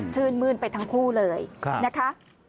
ชื่นมื้นไปทั้งคู่เลยนะคะ